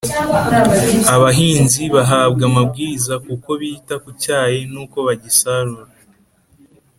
Abahinzi bahabwa amabwiriza ku ko bita ku cyayi n’uko bagisarura